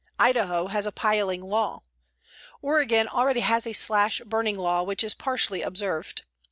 Idaho has a piling law. Oregon already has a slash burning law which is partially observed.